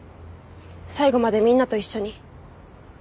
最後までみんなと一緒に。